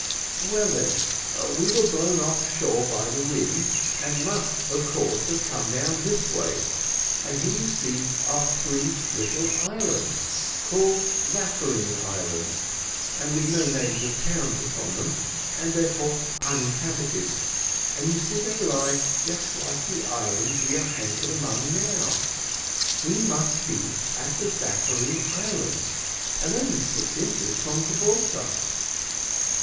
"Well, then, we were blown off shore by the wind, and must of course have come down this way; and here you see are three little islands, called Zaffarine Islands, and with no names of towns upon them, and therefore uninhabited; and you see they lie just like the islands we are anchored among now we must be at the Zaffarine Islands and only six inches from Gibraltar."